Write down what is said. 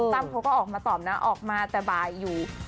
เขาก็ออกมาตอบนะออกมาแต่บ่ายอยู่